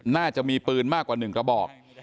น่าจะมีปืนมากกว่า๑กระบอก